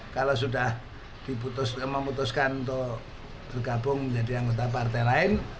kalau sudah memutuskan untuk bergabung menjadi anggota partai lain